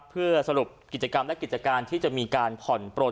เพื่อสรุปกิจกรรมและกิจการที่จะมีการผ่อนปลน